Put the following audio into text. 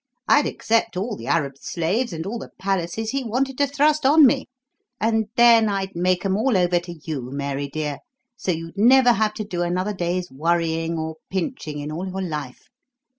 I'd accept all the Arab slaves and all the palaces he wanted to thrust on me; and then I'd make 'em all over to you, Mary dear, so you'd never have to do another day's worrying or pinching in all your life.